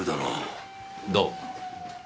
どうも。